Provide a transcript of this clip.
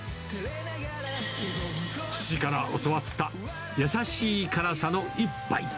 父から教わった優しい辛さの一杯。